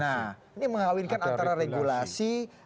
nah ini mengawinkan antara regulasi